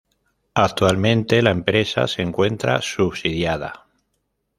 Actualmente la empresa se encuentra subsidiada.